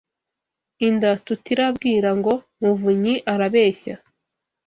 Inda tut irambwira ngo muvunyi arabeshya.